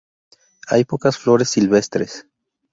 Hay pocas flores silvestres.